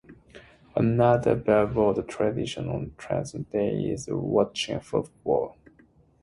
Another beloved tradition on Thanksgiving Day is watching football.